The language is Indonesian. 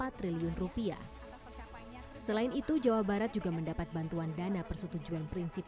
lima triliun rupiah selain itu jawa barat juga mendapat bantuan dana persetujuan prinsip